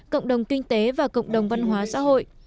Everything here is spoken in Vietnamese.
cộng đồng kinh tế và cộng đồng văn hóa xã hội